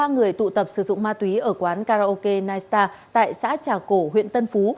một mươi ba người tụ tập sử dụng ma túy ở quán karaoke nightstar tại xã trà cổ huyện tân phú